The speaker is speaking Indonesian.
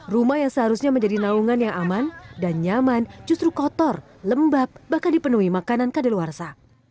rumah yang seharusnya menjadi naungan yang aman dan nyaman justru kotor lembab bahkan dipenuhi makanan kadeluarsa